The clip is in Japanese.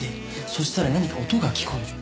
そしたら何か音が聞こえる。